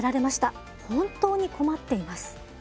本当に困っています」。